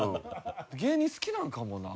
芸人好きなのかもな。